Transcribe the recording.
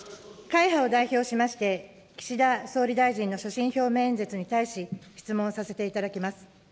会派を代表しまして、岸田総理大臣の所信表明演説に対し質問させていただきます。